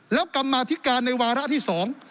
แล้วกรรมาธิการในวาระที่สอง